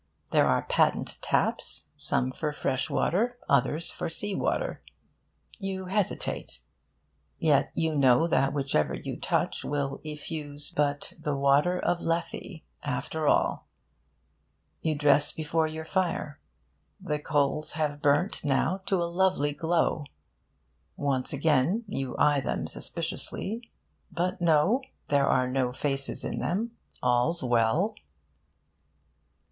There are patent taps, some for fresh water, others for sea water. You hesitate. Yet you know that whichever you touch will effuse but the water of Lethe, after all. You dress before your fire. The coals have burnt now to a lovely glow. Once and again, you eye them suspiciously. But no, there are no faces in them. All's well.